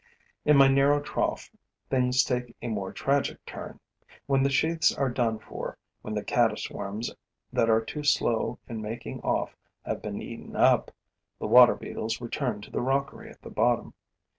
In my narrow trough, things take a more tragic turn. When the sheaths are done for, when the caddis worms that are too slow in making off have been eaten up, the Water beetles return to the rockery at the bottom.